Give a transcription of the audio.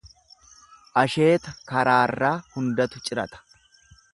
Asheeta karaarraa hundatu cirata.